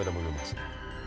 jangan jangan itu sab